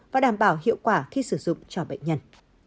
và đảm bảo hiệu quả khi sử dụng cho bệnh nhân